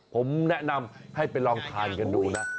ผมแนะนำให้ไปลองทานกันดูนะ